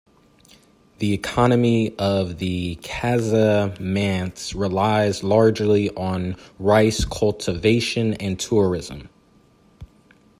The economy of the Casamance relies largely on rice cultivation and tourism.